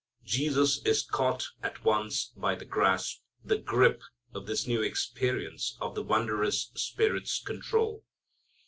Jesus is caught at once by the grasp, the grip of this new experience of the wondrous Spirit's control.